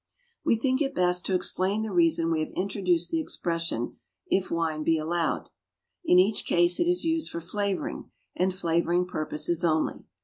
We think it best to explain the reason we have introduced the expression, "if wine be allowed." In each case it is used for flavouring, and flavouring purposes only.